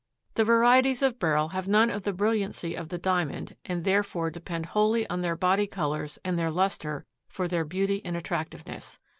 The varieties of Beryl have none of the brilliancy of the diamond and therefore depend wholly on their body colors and their lustre for their beauty and attractiveness.